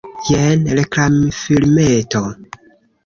Jen reklamfilmeto.